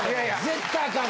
絶対アカン。